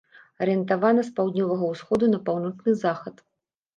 Арыентавана з паўднёвага ўсходу на паўночны захад.